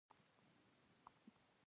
دښته د شګو سمندر دی.